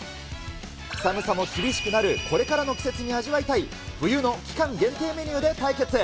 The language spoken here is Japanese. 寒さも厳しくなるこれからの季節に味わいたい、冬の期間限定メニューで対決。